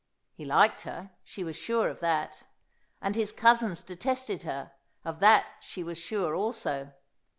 He liked her, she was sure of that. And his cousins detested her, of that she was sure also.